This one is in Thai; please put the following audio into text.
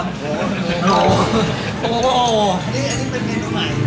อันนี้เป็นเย็นตัวใหม่